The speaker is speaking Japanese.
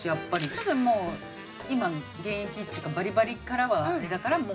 ちょっともう今現役っていうかバリバリからはあれだからもう？